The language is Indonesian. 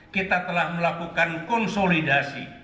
kita telah melakukan konsolidasi